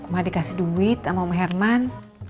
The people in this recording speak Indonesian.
mau dikasih duit sama om herman